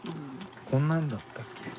こんなんだったっけ？